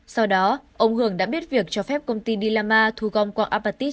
sau đó ông hường đã biết việc cho phép công ty lilama thu gom quạng apatit